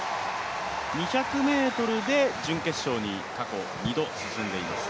２００ｍで準決勝に過去２度進んでいます。